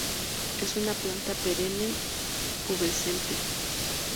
Es una planta perenne, pubescente.